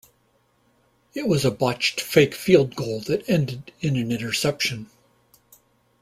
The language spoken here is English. It was a botched fake field goal that ended in an interception.